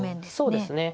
そうですね。